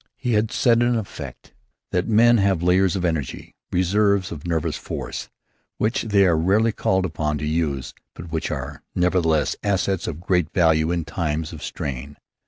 He had said, in effect, that men have layers of energy, reserves of nervous force, which they are rarely called upon to use, but which are, nevertheless, assets of great value in times of strain.